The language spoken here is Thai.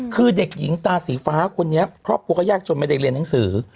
คือเด็กหญิงตาสีฟ้าคนนี้ครอบครัวก็ยากจนไม่ได้เรียนหนังสือ